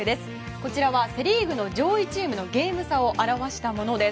こちらはセ・リーグの上位チームのゲーム差を表したものです。